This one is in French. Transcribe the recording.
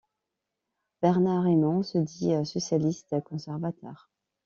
Bernard Émond se dit socialiste conservateur.